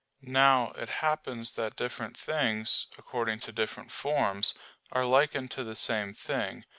Now it happens that different things, according to different forms, are likened to the same thing.